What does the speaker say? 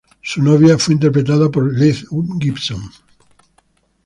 Su novia fue interpretada por Leah Gibson.